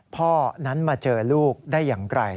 พ่อนั้นมาเจอลูกได้อย่างไร